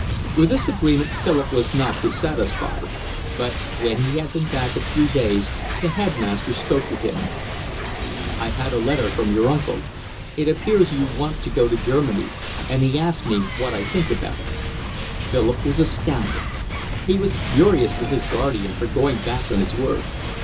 With this agreement Philip was not dissatisfied. But when he had been back a few days the headmaster spoke to him. "I've had a letter from your uncle. It appears you want to go to Germany, and he asks me what I think about it." Philip was astounded. He was furious with his guardian for going back on his word.